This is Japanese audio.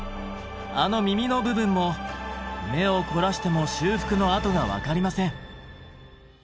あの耳の部分も目を凝らしても修復の跡が分かりません。